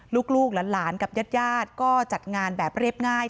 ลูกหลานกับญาติก็จัดงานแบบเรียบง่าย